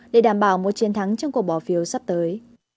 để đảm bảo một chiến thắng trong cuộc bỏ phiếu sắp tới